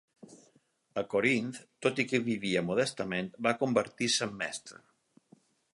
A Corinth, tot i que vivia modestament, va convertir-se en mestre.